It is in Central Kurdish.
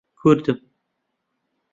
کوردم.